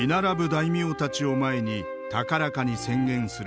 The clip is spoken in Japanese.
大名たちを前に高らかに宣言するこの男。